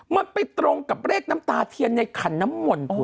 มันไปตรงกับเลขน้ำตาเทียนในขันน้ำมนต์